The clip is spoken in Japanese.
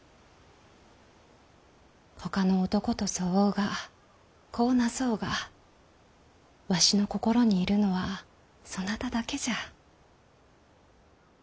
ほかの男と添おうが子をなそうがわしの心にいるのはそなただけじゃ。